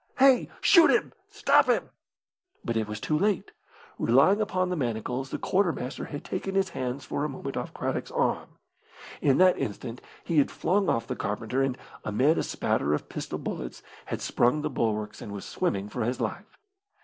Hey, shoot him! Stop him!" But it was too late. Relying upon the manacles, the quartermaster had taken his hands for a moment off Craddock's arm. In that instant he had flung off the carpenter, and, amid a spatter of pistol bullets, had sprung the bulwarks and was swimming for his life.